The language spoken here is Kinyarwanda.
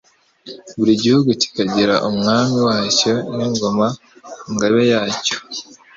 buri gihugu kikagira Umwami wacyo n'Ingoma–Ngabe yacyo